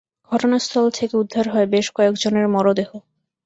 ঘটনাস্থল থেকে উদ্ধার হয় বেশ কয়েকজনের মরদেহ।